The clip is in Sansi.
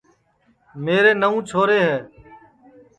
نرملا کے نئوں چھورے ہے